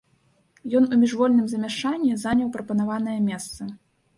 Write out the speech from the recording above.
Ён у міжвольным замяшанні заняў прапанаванае месца.